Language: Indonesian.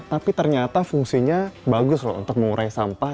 tapi ternyata fungsinya bagus loh untuk mengurai sampah